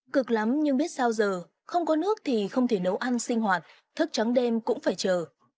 cực lắm nhưng biết sao giờ không có nước thì không thể nấu ăn sinh hoạt thức trắng đêm cũng phải chờ